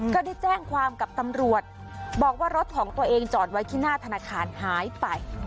ก็ได้แจ้งความกับตำรวจบอกว่ารถของตัวเองจอดไว้ที่หน้าธนาคารหายไป